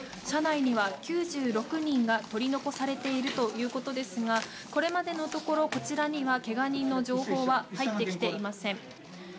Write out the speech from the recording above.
車内には９６人が取り残されているということですがこれまでのところ、こちらにはけが人の情報は入ってきていません。